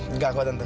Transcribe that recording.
enggak kok tante